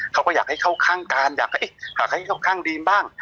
เขาก็อยากให้เข้าข้างกันอยากให้เข้าข้างดีมบ้าง